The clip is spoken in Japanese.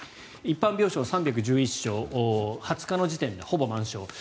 一般病床３１１床２０日の時点でほぼ満床。